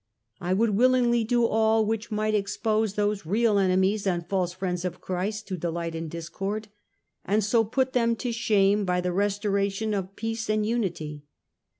... I would willingly do all which might expose those real enemies and false friends of Christ who delight in discord, and so put them to shame by the restoration of peace and unity.